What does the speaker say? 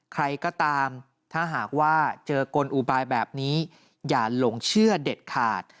ใครก็ตามถ้าหากว่าเจอกลอุบายแบบนี้อย่าหลงเชื่อเด็ดขาด